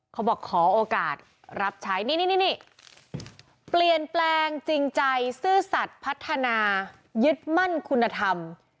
ขอโอกาสรับใช้นี่เปลี่ยนแปลงจริงใจซื่อสัตว์พัฒนายึดมั่นคุณธรรม